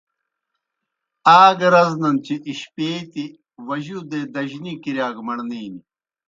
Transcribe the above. آ گہ رزنَن چہ اِشپیتیْ وجودے دجنی کِرِیا کہ مڑنے نیْ۔